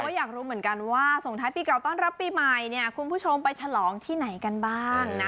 ก็อยากรู้เหมือนกันว่าส่งท้ายปีเก่าต้อนรับปีใหม่เนี่ยคุณผู้ชมไปฉลองที่ไหนกันบ้างนะ